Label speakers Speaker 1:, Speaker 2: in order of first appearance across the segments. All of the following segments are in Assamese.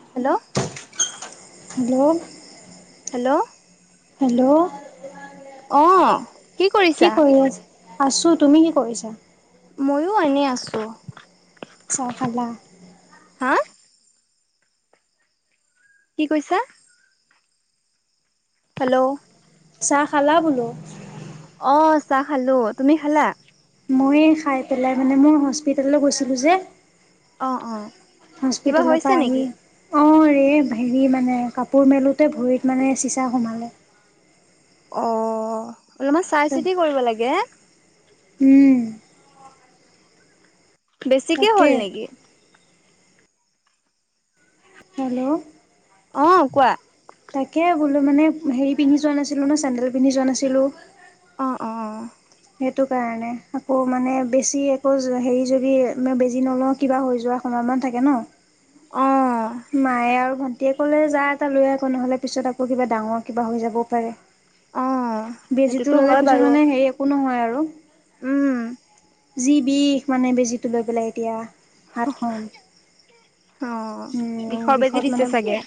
Speaker 1: হেল্ল'
Speaker 2: হে'ল্ল'
Speaker 1: হে'ল্ল'
Speaker 2: হে'ল্ল'
Speaker 1: আহ কি কৰিছা?
Speaker 2: আছো তুমি কি কৰিছা?
Speaker 1: ময়ো এনেয়ে আছোঁ
Speaker 2: চাহ খালা
Speaker 1: হা কি কৈছা হেল্ল'
Speaker 2: চাহ খালা বোলো
Speaker 1: অ চাহ খালো তুমি খালা
Speaker 2: মই খাই পেলাই মানে মোৰ হস্পিতাললৈ গৈছিলো যে
Speaker 1: অ অ কিবা
Speaker 2: হস্পিতালৰ
Speaker 1: হৈছে
Speaker 2: পৰা আহি
Speaker 1: নেকি?
Speaker 2: অ হেৰি মানে কাপোৰ মেলোতে ভৰিত মানে চিচা সোমালে
Speaker 1: অ অলপমান চাই চিতি কৰিব লাগে।
Speaker 2: উম।
Speaker 1: বেছিকে
Speaker 2: তাকে
Speaker 1: হ'ল নেকি?
Speaker 2: হেল্ল'।
Speaker 1: অঁ, কোৱা?
Speaker 2: তাকে বোলো মানে হেৰি পিন্ধি যোৱা নাছিলো ন চেন্ডেল পিন্ধি যোৱা নাছিলো।
Speaker 1: অ অ অ।
Speaker 2: সেইটো কাৰণে আকৌ মানে বেছি একো হেৰি যদি মই বেজি নলও কিবা হৈ যোৱা খত। মান থাকে ন।
Speaker 1: অঁ।
Speaker 2: মায়ে আৰু ভন্টিয়ে ক'লে যা এটা লৈ আকৌ নহ'লে পিছত আকৌ কিবা ডাঙৰ কিবা হৈ যাবও পাৰে।
Speaker 1: অ
Speaker 2: বেজীটো
Speaker 1: সেইটোতো
Speaker 2: ললে
Speaker 1: হয়
Speaker 2: পিছত
Speaker 1: বাৰু
Speaker 2: মানে হেই একো নহয় আৰু।
Speaker 1: উম
Speaker 2: জি বিষ মানে বেজিটো লৈ পেলাই এতিয়া হাতখন।
Speaker 1: অ
Speaker 2: উম
Speaker 1: বিষৰ বেজি
Speaker 2: বিষত
Speaker 1: দিছে
Speaker 2: মানে
Speaker 1: চাগে?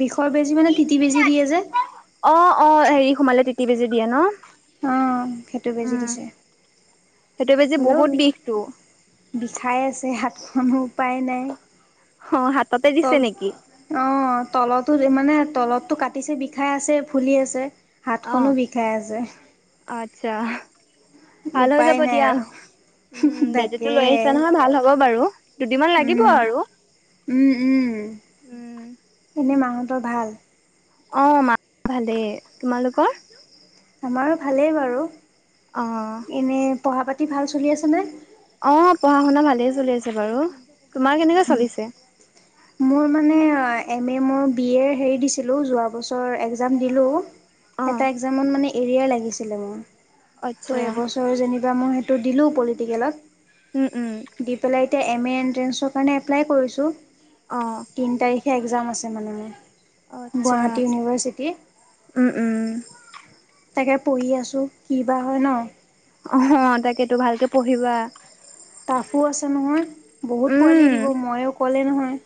Speaker 2: বিষৰ বেজি মানে তিতি বেজি দিয়ে যে।
Speaker 1: অঁ, অঁ, হেৰি সোমালে তিতি বেজী দিয়ে ন?
Speaker 2: অঁ, সেইটো বেজি
Speaker 1: উম
Speaker 2: দিছে।
Speaker 1: সেইটো বেজি
Speaker 2: হ'লেও
Speaker 1: বহুত
Speaker 2: বি
Speaker 1: বিষটো।
Speaker 2: বিষাই আছে হাতখনো উপায় নাই।
Speaker 1: অ হাততে দিছে
Speaker 2: তল
Speaker 1: নেকি?
Speaker 2: অ তলতো। মানে তলতটো কাটিছে বিষাই আছে ফুলি আছে। হাতখনো
Speaker 1: আহ
Speaker 2: বিষাই আছে
Speaker 1: আচ্ছা। ভাল হৈ
Speaker 2: উপায়
Speaker 1: যাব
Speaker 2: নাই
Speaker 1: দিয়া
Speaker 2: আৰু
Speaker 1: উম বেজীটো
Speaker 2: তাকে।
Speaker 1: লৈ আহিছা নহয় ভাল হ'ব বাৰু! দুদিনমান লাগিব
Speaker 2: উম।
Speaker 1: আৰু।
Speaker 2: উম, উম।
Speaker 1: উম
Speaker 2: এনে মা হতৰ ভাল?
Speaker 1: অ মা ভালেই, তোমালোকৰ?
Speaker 2: আমাৰো ভালেই বাৰু।
Speaker 1: অহ।
Speaker 2: পঢ়া-পাতি ভাল চলি আছেনে?
Speaker 1: অ' পঢ়া শুনা ভালেই চলি আছে বাৰু। তোমাৰ কেনেকুবা চলিছে?
Speaker 2: মোৰ মানে এম এ মই বি এৰ হেৰি দিছিলো যোৱা বছৰ একজাম দিলো।
Speaker 1: অ
Speaker 2: এটা একজামত মানে এৰিয়া লাগিছিলে মোৰ,
Speaker 1: আচ্ছা
Speaker 2: ত' এবছৰ যেনিবা মই টো দিলো পলিটিকেলত।
Speaker 1: উম, উম।
Speaker 2: দি পেলাই এতিয়া এম এ এণ্ট্ৰেন্ঞ্চৰ কাৰণে এপ্লাই কৰিছোঁ।
Speaker 1: অঁ।
Speaker 2: একজাম আছে মানে মোৰ
Speaker 1: আচ্ছা
Speaker 2: গুৱাহাটী ইউনিভাৰ্চিটি।
Speaker 1: উম উম
Speaker 2: তাকে পঢ়ি আছোঁ, কি বা হয় ন?
Speaker 1: অ' তাকেতো ভালকে পঢ়িবা।
Speaker 2: [unintelligible] আছে নহয় বহুত
Speaker 1: উম
Speaker 2: পোৱালিয়ে দিব মই অকলে নহয়।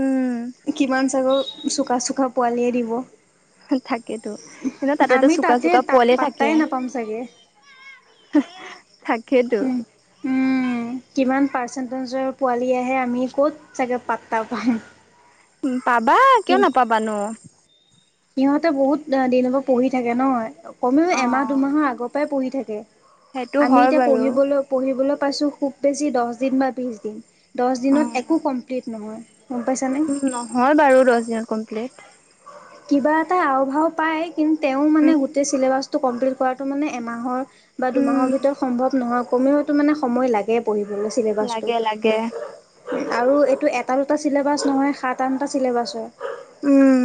Speaker 1: উম
Speaker 2: কিমান চাগৈ চোকা চোকা পোৱালিয়ে দিব।
Speaker 1: থাকেতো, এনেও তাতেতো
Speaker 2: আমি
Speaker 1: চুকা
Speaker 2: তাতে
Speaker 1: চুকা
Speaker 2: তাত
Speaker 1: পোৱালিয়ে থাকে।
Speaker 2: পাত্তাই নাপাম চাগে।
Speaker 1: তাকেইতো।
Speaker 2: উম, উম। কিমান পাৰ্চেন্টেজৰ পোৱালী আহে চাগে, আমি ক'ত পাত্তা পাম।
Speaker 1: উম, পাবা
Speaker 2: কি
Speaker 1: কিয় নাপাবানো।
Speaker 2: সিহঁতে বহুত দিন পৰা পঢ়ি থাকে নহ কমেও এমাহ দুমাহৰ আগৰ পৰাই পঢ়ি থাকে
Speaker 1: সেইটো
Speaker 2: আমি
Speaker 1: হয়
Speaker 2: এতিয়া
Speaker 1: বাৰু
Speaker 2: পঢ়িবলৈ পঢ়িবলৈ পাইছো খুব বেছি দহ দিন বা বিশ দিন দহ দিনত একো কমপ্লিট নহয় গম পাইছানে?
Speaker 1: উ নহয় বাৰু দহ দিনত কমপ্লিট
Speaker 2: কিবা এটা আও ভাৱ পাই কিন্তু তেওঁ মানে গোটেই চিলেবাছ কমপ্লিট কৰাটো মানে এমাহৰ বা
Speaker 1: উম
Speaker 2: দুমাহৰ ভিতৰত সম্ভৱ নহয় কমেও তো মানে সময় লাগে পঢ় মে চিলেবাছটো
Speaker 1: লাগে লাগে
Speaker 2: আৰু এইটো এটা দুটা চিলেবাছ নহয় সাত আনটা চিলেবাছ
Speaker 1: উম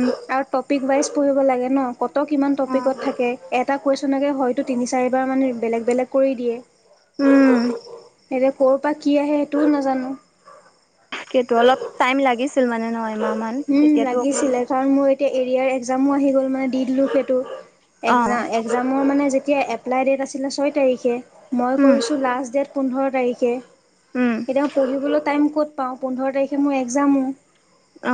Speaker 2: প ৱাইজ পঢ় লাগে ন কত কিমান টপিকত থাকে এটা কৈছ নাগে হয়তো তিনি চাৰিবাৰ মানে বেলেগ বেলেগ কৰি দিয়ে।
Speaker 1: উম,
Speaker 2: এতিয়া কৰ'ৰ পৰা কি আহে সেইটোও নাজানো।
Speaker 1: কিন্তু অলপ টাইম লাগিছিল মানে এমাহ মান
Speaker 2: উম,
Speaker 1: তেতিয়াতো অকমান,
Speaker 2: লাগিছিলে কাৰণ মোৰ এতিয়া এৰিয়াৰ এক্সামো আহিলে
Speaker 1: অ
Speaker 2: সেইটোৰ মানে যেতিয়া এপ্লাই ডেট আছিলে ছয় তাৰিখে মই
Speaker 1: উম
Speaker 2: কৰিছোঁ লাষ্ট ডেট পোন্ধৰ তাৰিখে।
Speaker 1: উম
Speaker 2: এতিয়া মই পঢ়িবলৈ টাইম ক'ত পাওঁ পোন্ধৰ তাৰিখে মোৰ এক্জামো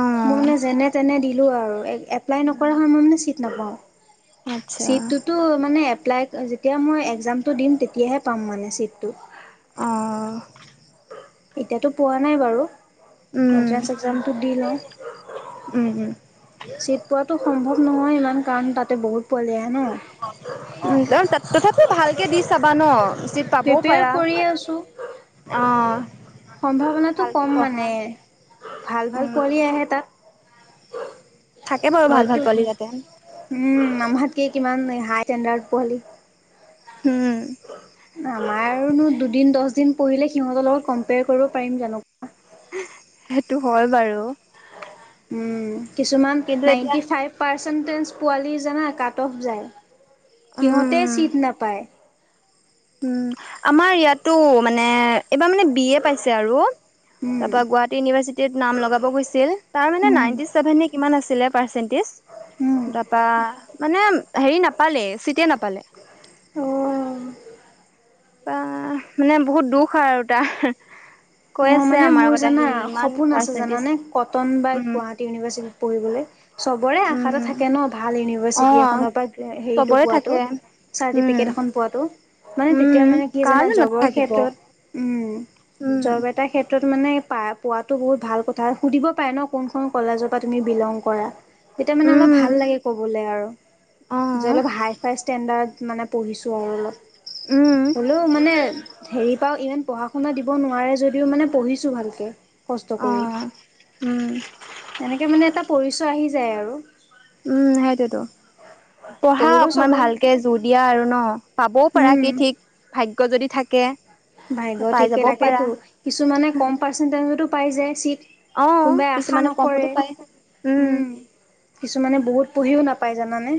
Speaker 1: অ
Speaker 2: মই মানে যেনে তেনে দিলোঁ আৰু এপ্লাই
Speaker 1: উম
Speaker 2: নকৰা হয় মই মানে চিট নাপাওঁ
Speaker 1: আচ্ছা
Speaker 2: চিটটোতো মানে এপ্লাই যেতিয়া মই এক্জামটো দিম তেতিয়াহে পাম মানে ছিটটো
Speaker 1: অ
Speaker 2: এতিয়াতো পোৱা নাই বাৰু এন্ট্ৰেন্স এক্সামটো দি লওঁ
Speaker 1: উম উম
Speaker 2: চিট পোৱাাতটো সম্ভৱ নহয় ইমান কাৰণ তাতে বহুত পোৱালি হে ন।
Speaker 1: উম, ত তথাপি ভালকে দি চাব ন চিত পাবও
Speaker 2: প্ৰিপেয়াৰ
Speaker 1: পাৰা।
Speaker 2: কৰি
Speaker 1: অহ,
Speaker 2: সম্ভাৱনাতটো কম মানে ভাল-ভাল
Speaker 1: উম
Speaker 2: পোৱালি আহে তাত।
Speaker 1: থাকে বাৰু ভাল ভাল
Speaker 2: হয়তো,
Speaker 1: পোৱালি তাতে
Speaker 2: উম, আম কি কিমান হাই ষ্টেণ্ডাৰ্ড পোৱালি।
Speaker 1: উম,
Speaker 2: আমাৰনো দুদিন দহ দিন পঢ়িলে সিহঁতৰ লগত কম্পেয়াৰ কৰিব পাৰিম জানো। হয় [unintelligible]
Speaker 1: সেইটো হয় বাৰু।
Speaker 2: কিছুমান
Speaker 1: কিন্তু এতিয়া
Speaker 2: নাইণ্টি ফাইভ পাৰ্চেণ্টেজ পোৱালি জানা কাট অফ যায়। সিহঁতে
Speaker 1: উম
Speaker 2: চিট নাপায়।
Speaker 1: উম, আমাৰ ইয়াতো মানে এইবাৰ মানে বি এ পাইছে আৰু।
Speaker 2: উম
Speaker 1: তাৰ গুৱাহাটী ইউনিভাৰ্চিট নাম লগাব গৈছিল তাৰ মে
Speaker 2: উম
Speaker 1: নিভে কিমান আচিল।
Speaker 2: উম
Speaker 1: মানে হেৰি নাপালে চিতেই নাপালে।
Speaker 2: অ',
Speaker 1: বা মানে বহুত দুখ আৰু আৰু তাৰ।
Speaker 2: অ,
Speaker 1: কৈ আছে
Speaker 2: মানে
Speaker 1: আমাৰ
Speaker 2: মোৰ
Speaker 1: আগত আহি
Speaker 2: জানা
Speaker 1: ইমান
Speaker 2: সপোন আছে
Speaker 1: পাৰ্চেন্টেজ
Speaker 2: জানে কটন বা
Speaker 1: উম
Speaker 2: গুৱাহাটী ইউনিভাৰ্চিটিত পঢ়িবলে। চবৰে আশা
Speaker 1: উম
Speaker 2: থাকে ন ভাল এন
Speaker 1: অ
Speaker 2: ইভাৰ্চিটি এনৰ পৰা হেৰিটো
Speaker 1: চবৰে
Speaker 2: পোৱটো
Speaker 1: থাকে
Speaker 2: চাৰ্টিফিকেট
Speaker 1: উম
Speaker 2: এ পোৱটো। মানে তেতিয়া
Speaker 1: উম
Speaker 2: মানে কি জানা
Speaker 1: কাৰণো
Speaker 2: জগৰ
Speaker 1: নাথাকিব
Speaker 2: ক্ষেত্ৰত উম,
Speaker 1: উম
Speaker 2: জব এটাৰ ক্ষেত্ৰত। মানে প পোৱাতো বহুত ভাল কথা সুধিব পাৰে ন কোনখন কলেজৰ পৰা তুমি বিলং কৰা। তেতিয়া মানে অলপ
Speaker 1: উম
Speaker 2: ভাল লাগে কবলৈ আৰু
Speaker 1: অ
Speaker 2: যে অলপ হাই ফাই ষ্টেণ্ডাৰড। মানে পঢ়িছো আৰু অলপ
Speaker 1: উম
Speaker 2: হ'লেও মানে হেৰি পাও ইমান পঢ়া শুনা দিব নোৱাৰো। মাৰে যদিও মানে পঢ়িছোঁ ভালকে। কষ্ট
Speaker 1: অ
Speaker 2: কৰি
Speaker 1: উম
Speaker 2: এনেকে মানে এটা পৰিচয় আহি যায় আৰু।
Speaker 1: উম, সেইটোৱেটো। পঢ়া
Speaker 2: পঢ়িব
Speaker 1: অকমান
Speaker 2: চবৰে।
Speaker 1: ভালকে জোৰ দিয়া আৰু ন পাবও পাৰা
Speaker 2: উম
Speaker 1: কি ঠিক ভাগ, যদি থাকে।
Speaker 2: ভাইৰ
Speaker 1: পাই
Speaker 2: ঠিকে
Speaker 1: যাবও পাৰা
Speaker 2: তাকেতো কিছুমানানে কম পাৰ্চেন্টেজতো পাই যায় চিট।
Speaker 1: অ
Speaker 2: কোনোবাই আশা
Speaker 1: কিছুমানে
Speaker 2: নকৰে
Speaker 1: কমতো পায়
Speaker 2: উম, কিছুমানে বহুত পঢ়িও নাপ। পাই জানানে।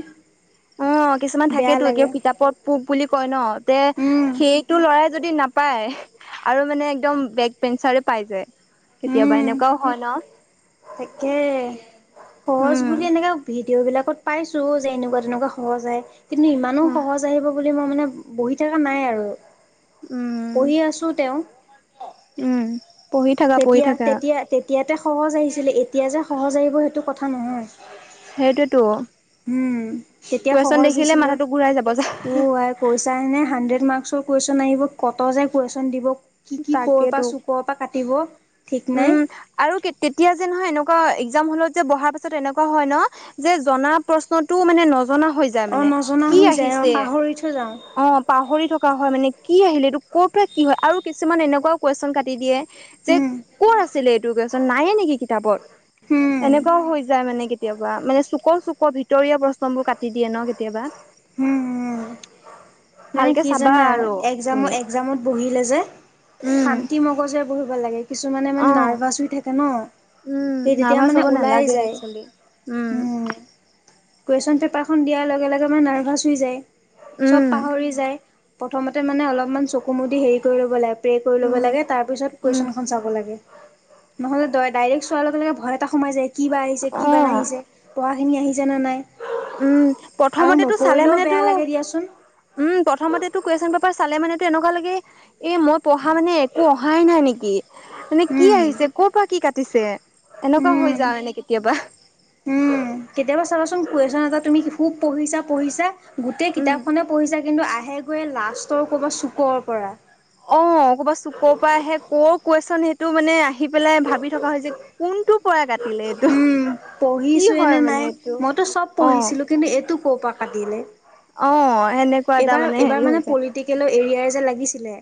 Speaker 1: অ, কিছুমান
Speaker 2: বেয়া
Speaker 1: থাকেতো এতিয়া
Speaker 2: লাগে
Speaker 1: কিতাপত পুক বুলি কয় ন তে
Speaker 2: উম
Speaker 1: সেইটো লৰাই যদি ন। পাই আৰু মানে একদম বেক পেঞ্চাৰ পাই যায়। কেতিয়াবা
Speaker 2: উম,
Speaker 1: এনেকুৱাও হয় ন
Speaker 2: তাকে সহজ
Speaker 1: উম
Speaker 2: বুলি এনেকে ভিত ভিডিঅ' বিলাকত পাইছো যে এনেকুৱা তেনেকুৱা সহজ আহে, কিন্তু ইমানো
Speaker 1: উম
Speaker 2: সহজ আহিব বুলি মই মানে বহি থকা নাই আৰু।
Speaker 1: উম
Speaker 2: পঢ়ি আছোঁ তেওঁ।
Speaker 1: উম পঢ়ি থাকা পঢ়ি
Speaker 2: তেতিয়া
Speaker 1: থাকা
Speaker 2: তেতিয়া তেতিয়াতে সহজ আহিছিলে এতিয়া যে সহজ আহিব সেইটো কথা নহয়।
Speaker 1: সেইটোতো।
Speaker 2: উম, তেতিয়া সহজ দিছিলে,
Speaker 1: ঘূৰাই যাব যা
Speaker 2: অ' আই কৈছাহেনে হাণ্ড্ৰেড মাৰ্কস ৰ কুৱেশ্যন আহিব কত যে কুৱেশ্যন দিব কি কি কৰ' পৰা
Speaker 1: তাকেতো
Speaker 2: চুকৰ পৰা কাটিব ঠিক নাই।
Speaker 1: উম, আৰু তেতিয়া যে নহয় এনেকুৱা হ যে বহাৰ পিছত এনেকুৱা হয় ন যে জনা প্ৰশ্নতটো মানে জনা হৈ যায়
Speaker 2: অ
Speaker 1: মানে
Speaker 2: নজনা
Speaker 1: কি
Speaker 2: হৈ যায় অ
Speaker 1: আহিছে।
Speaker 2: পাহৰি থৈ যাওঁ
Speaker 1: অ, পাহৰি থকা হয় মানে কি আহিলে এইটোক। ক'ৰ পৰা কি হয় আৰু কিছুমান এনেকুৱাও কুৱেশ্যন কাটি দিয়ে।
Speaker 2: উম।
Speaker 1: ক'ৰ আছিলে এইটো কোৱেশ্যন নায়ে নেকি কিতাপত।
Speaker 2: উম
Speaker 1: এনেকুৱাও হৈ যায় মে মানে কেতিয়াবা মানে চুকৰ চুকৰ ভিতৰীয়া প্ৰশ্ন বোৰ কাটি দিয়ে ন কেতিয়াবা?
Speaker 2: উম, উম। মানে
Speaker 1: ভালকে
Speaker 2: কি
Speaker 1: চাবা
Speaker 2: জানা
Speaker 1: আৰু
Speaker 2: এক্সামত
Speaker 1: তুমি
Speaker 2: এক্সামত বহি আছিলেযে
Speaker 1: উম
Speaker 2: শান্তি মগজৰে বহিব লাগে, কিছুমানে মানে
Speaker 1: অ
Speaker 2: নাৰ্ভাচ হৈ থাকে ন।
Speaker 1: উম
Speaker 2: সেই তেতিয়া
Speaker 1: নাৰ্ভাছ
Speaker 2: মানে
Speaker 1: হ'ব
Speaker 2: ওলাই
Speaker 1: নালাগে
Speaker 2: যায়।
Speaker 1: একচুৱেলি উম
Speaker 2: কুৱেশ্যন পেপাৰখন দিয়াৰ লগে লগে মানে নাৰ্ভাছ হৈ যায়, চব
Speaker 1: উম
Speaker 2: পাহৰি যায়। প্ৰথমতে মানে অলপমান চকু মুদি হেৰি কৰি ল'ব লাগে প্ৰে কৰি ল'ব
Speaker 1: উম
Speaker 2: লাগে, তাৰপিছত
Speaker 1: উম
Speaker 2: কুৱেশ্যনখন চাব লাগে। নহ'লে ড ডাইৰেক্ট চোৱাৰ লগে লগে ভয় এটা সোম যায় কি বা আহিছে
Speaker 1: অ
Speaker 2: কিবা নাহিছে, পঢ়া খিনি আহিছেনে নাই
Speaker 1: উম,
Speaker 2: আৰু
Speaker 1: প্ৰথমতেটো চালে
Speaker 2: নপঢ়িলেও
Speaker 1: মানে তো
Speaker 2: বেয়া
Speaker 1: উম,
Speaker 2: লাগে দিয়াচোন
Speaker 1: প্ৰথমতেতো কুৱেশ্যন পেপাৰ চালে মানেটো এনেকুৱা লাগে এ মই পঢ়া মানে একো অহাই নাই নেকি? মানে কি
Speaker 2: উম
Speaker 1: আহিছে ক'ৰ পৰা কি কাটিছে এনেকুৱা হৈ
Speaker 2: উম,
Speaker 1: যাওঁ মানে কেতিয়াবা
Speaker 2: উম কেতিয়াবা চাবচোন কোৱেশ্যন এটাত তুমি খুব পঢ়িছা পঢ়িছা গোটই কিতাপ
Speaker 1: উম
Speaker 2: খনে পঢ়িছা কিন্তু আহে গৈয়ে লাষ্টৰ ক'ৰবাৰ চুকৰ পৰা।
Speaker 1: অ' ক'বাত চুকৰ পৰা আহে ক'ৰ কুৱেশ্যন সেইটো মানে আহি পেলাই ভাবি থকা হয় যে কোন টো পৰা কাটিলে এইটো? কি
Speaker 2: পঢ়িছো
Speaker 1: হয়
Speaker 2: নে
Speaker 1: মানে
Speaker 2: নাই
Speaker 1: এইটো
Speaker 2: মইতো চব
Speaker 1: অ
Speaker 2: পঢ়িছিলো, কিন্তু এইটো ক'ৰ পৰা কাটিলে?
Speaker 1: অ সেনেকুৱা এটা
Speaker 2: এইবাৰ এইবাৰ
Speaker 1: হেৰি হৈ
Speaker 2: মানে
Speaker 1: যায়
Speaker 2: পলিটিকেল এৰিয়াৰ যে লাগিছিলে,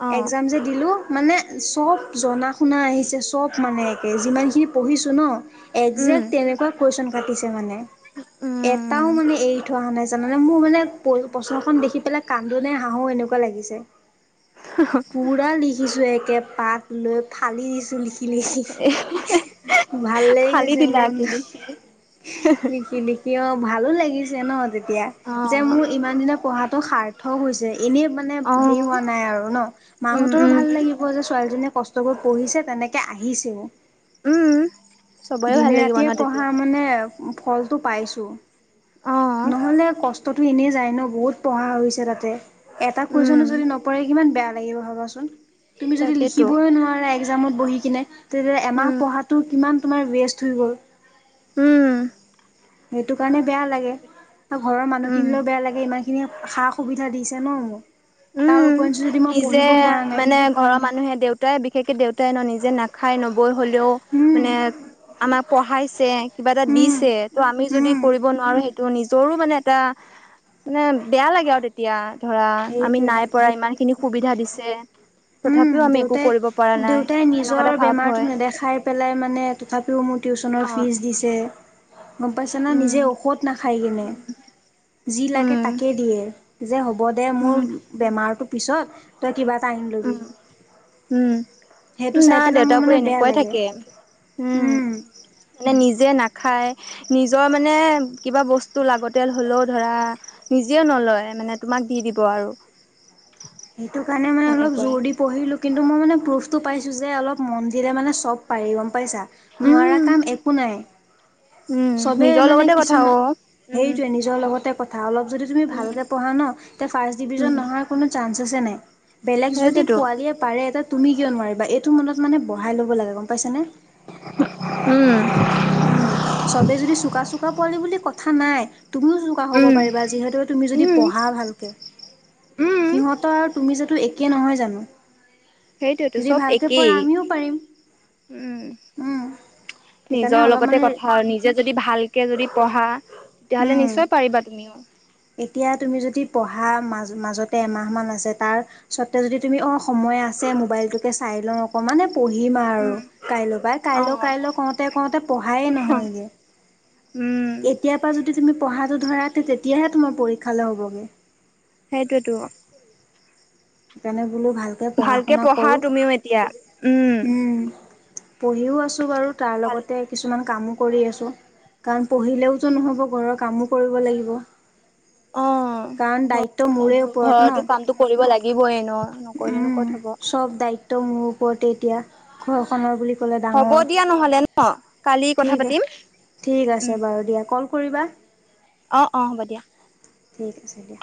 Speaker 1: অ
Speaker 2: এক্সাম যে দিলোঁ মানে চব জনা শুনা আহিছে চব মানে একে যিমান খিনি পঢ়িছো ন।
Speaker 1: উম
Speaker 2: একজেক্ট তেনেকুৱা কুৱেশ্যন কাটিছে মানে এটাও
Speaker 1: উম
Speaker 2: মানে এৰি থৈ অহা নাই। জানানে মোৰ মানে প্ৰশ্নখন দেখি পেলাই কান্দো নে হাঁহো এনেকুৱা লাগিছে। পুৰা লিখিছো, একে পাত লৈ ফালি দিছো লিখি। লিখি লিখি।
Speaker 1: এ
Speaker 2: ভাল লাগি
Speaker 1: ফালি
Speaker 2: গৈছে
Speaker 1: দিলে আকি
Speaker 2: মনটো
Speaker 1: দেখি
Speaker 2: লিখি লিখি অহ। ভালো লাগিছে ন তেতিয়া,
Speaker 1: অ
Speaker 2: যে মোৰ ইমান দিনে পঢ়াতো সাৰ্থক হৈছে। এনেই মানে
Speaker 1: অ
Speaker 2: হেৰি হোৱা নাই আৰু ন, মা
Speaker 1: উম
Speaker 2: হঁতৰো
Speaker 1: উম
Speaker 2: ভাল লাগিব যে ছোৱালীজনীয়ে কষ্ট কৰি পঢ়িছে তেনেকে আহিছেও।
Speaker 1: উম। চবৰে ভাল
Speaker 2: দিনে
Speaker 1: লাগিব ন
Speaker 2: ৰাতিয়ে পঢ়া
Speaker 1: তেতিয়া
Speaker 2: মানে ফলটো পাইছো,
Speaker 1: অ
Speaker 2: নহ'লে তো এনেই যায় ন, বহুত পঢ়া হৈছে তাতে, এটা
Speaker 1: উম
Speaker 2: কুৱেশচনো যদি নপৰে কিমান বেয়া লাগিব ভাবাচোন, তুমি যদি
Speaker 1: তাকেতো
Speaker 2: লিখিবই নোৱাৰা একজামত বহি কিনে। তেতিয়া এমাহ
Speaker 1: উম
Speaker 2: পঢ়াটো কিমান তোমাৰ ৱেষ্ট হৈ গ'ল।
Speaker 1: উম।
Speaker 2: সেইটো কাৰণে বেয়া লাগে আৰু ঘৰৰ মানুহ
Speaker 1: উম
Speaker 2: খিনিলেও বেয়া লাগে ইমান খিনিয়ে সা-সুবিধা দিছে ন। তাৰ
Speaker 1: উম
Speaker 2: উপৰিঞ্চি যদি মই পঢ়িব
Speaker 1: নিজেই
Speaker 2: পৰা নাই
Speaker 1: মানে ঘৰৰ মানুহে দেউতাই বিশেষকে দেউতাই ন নিজে নাক খাই নবৈ হ'লেও
Speaker 2: উম
Speaker 1: মানে আমাক পঢ়াইছে। কিবা এটা
Speaker 2: উম।
Speaker 1: দিছে, ত' আমি যদি
Speaker 2: উম
Speaker 1: কৰিব নোৱাৰো সেই ত নিজৰো মানে এটা মানে বেয়া লাগে আৰু তেতিয়া ধৰা। আমি
Speaker 2: সেইটোৱে
Speaker 1: নাই পৰা, ইমান খিনি সুবিধা দিছে।
Speaker 2: উম,
Speaker 1: তথাপিও আমি একো
Speaker 2: দেউতাই
Speaker 1: কৰিব পৰা নাই
Speaker 2: দেউতাই
Speaker 1: এনেকুৱা এটা
Speaker 2: নিজৰ
Speaker 1: ভাৱ
Speaker 2: বেমাৰটো
Speaker 1: হয়
Speaker 2: নেদেখাই পেলাই মানে তথাপিও মোৰ
Speaker 1: অ
Speaker 2: টিউশচনৰ ফিজ দিছে গ'ম পাইছা নে নিজে
Speaker 1: উম
Speaker 2: ঔষধ নাখাই কিনে। যি লাগে
Speaker 1: উম
Speaker 2: তাকেই দিয়ে যে হ
Speaker 1: উম
Speaker 2: মোৰ বেমাৰটো পিছত, তই কিবা এটা আনি ল'বি। সেইটো চাই
Speaker 1: নাই
Speaker 2: পেলাই মোৰ
Speaker 1: দেউতাবোৰ
Speaker 2: মানে বেয়া
Speaker 1: এনেকুৱাই
Speaker 2: লাগে
Speaker 1: থাকে। উম। মানে নিজে নাখায় নিজৰ মানে কিবা বস্তু লাগতিয়াল হ'লেও ধৰা নিজেই নলয় মানে তোমাৰ দি দিব আৰু
Speaker 2: সেইটো কাৰণে মানে অলপ
Speaker 1: সেনেকুৱাই
Speaker 2: জোৰ দি পঢ়িলো, কিন্তু মই মানে প্ৰ টো পাইছো যে অলপ মন দিলে মানে চব পাৰি গম পাইছা, নোৱাৰা
Speaker 1: উম
Speaker 2: কাম একো নাই।
Speaker 1: উম
Speaker 2: চবেই
Speaker 1: নিজৰ
Speaker 2: মানে,
Speaker 1: লগতে কথা
Speaker 2: কিছুমান।
Speaker 1: অ উম
Speaker 2: সেইটোৱেই নিজৰ লগতে কথা, অলপ যদি তুমি
Speaker 1: উম
Speaker 2: ভালকে পঢ়া ন, তেতিয়া ফাৰ্ষ্ট ডিভিজন
Speaker 1: উম
Speaker 2: নহাৰ কোনো চান্সে নাই বেলেগ যদি
Speaker 1: সেইটোতো
Speaker 2: পোৱালিয়ে পাৰে তুমি কিয় নোৱাৰিবা, এইটো মনত মানে বহাই ল'ব লাগে। গম পাইছানে।
Speaker 1: উম।
Speaker 2: উম, চবেই যদি চোকা চোকা পোৱালি বুলি কথা নাই। তুমিও চোকা হ'ব
Speaker 1: উম,
Speaker 2: পাৰিবা, যিহেতু তুমি যদি
Speaker 1: উম,
Speaker 2: পঢ়া ভালকে।
Speaker 1: উম,
Speaker 2: সিহঁতৰ আৰু তুমি যাতো একেই নহয় জানো।
Speaker 1: সেইটোৱেইতো
Speaker 2: যদি
Speaker 1: চব
Speaker 2: ভালকে
Speaker 1: একেই,
Speaker 2: পঢ়া আমিও পাৰিম
Speaker 1: উম।
Speaker 2: উম। সেইকাৰণে
Speaker 1: নিজৰ
Speaker 2: অলপ
Speaker 1: লগতে
Speaker 2: মানে
Speaker 1: কথা আৰু, নিজে যদি ভালকৈ যদি পঢ়া তেতিয়াহ'লে
Speaker 2: উম।
Speaker 1: নিশ্চয় পাৰিবা তুমিও।
Speaker 2: এতিয়া তুমি যদি পঢ়া মাজ মাজতে এমাহ মান আছে, তাৰ স্বত্বেও যদি তুমি অ সম সময় আছে মোবাইলটোকে চাই লওঁ অকণমানে পঢ়িম আৰু
Speaker 1: উম,
Speaker 2: কাইল পাই কাইলো
Speaker 1: অ',
Speaker 2: কাইলো কওঁতে কওঁতে পঢ়ায়েই নহয়গে।
Speaker 1: উম,
Speaker 2: এতিয়াৰ পৰা যদি তুমি পঢ়াটো ধৰা, তেতিয়াহে তোমাৰ পৰীক্ষালে হ'বগে।
Speaker 1: সেইটোৱেতো।
Speaker 2: সেইকাৰণে বোলো ভালকৈ পঢ়া শুনা
Speaker 1: পঢ়া
Speaker 2: কৰোঁ,
Speaker 1: তুমিও এতিয়া
Speaker 2: উম। পঢ়িও আছো বাৰু, তাৰ
Speaker 1: ভাল
Speaker 2: লগতে কিছুমান কামো কৰি আছোঁ, কাৰণ পঢ়িলেওতো নহ'ব ঘৰৰ কামো কৰিব লাগিব।
Speaker 1: অ',
Speaker 2: কাৰণ দায়িত্ব
Speaker 1: ঘৰতো কাম
Speaker 2: মোৰে ওপৰত ন।
Speaker 1: ঘৰতো কামটো কৰিব লাগিবই ন নকৰিলেনো ক'ত
Speaker 2: উম
Speaker 1: হ'ব।
Speaker 2: চব দায়িত্ব মোৰ ওপৰতেই। ঘৰখনৰ বুলি ক'লে
Speaker 1: হ'ব
Speaker 2: ডাঙৰ
Speaker 1: দিয়া নহ'লে ন কালি কথা
Speaker 2: ঠিকে
Speaker 1: পাতিম
Speaker 2: ঠিক আছে বাৰু দিয়া কল কৰিবা
Speaker 1: অঁ অঁ হ'ব দিয়া
Speaker 2: ঠিক আছে দিয়া